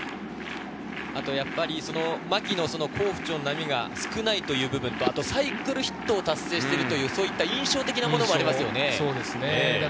牧の好調・不調の波が少ないという部分、サイクルヒットを達成しているという印象的なものもありますよね。